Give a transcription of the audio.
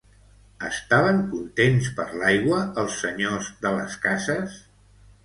Estaven contents per l'aigua els senyors de les cases?